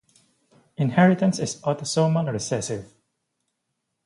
Inheritance is autosomal recessive.